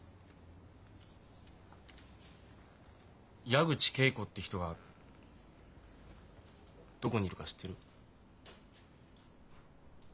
矢口桂子って人がどこにいるか知ってる？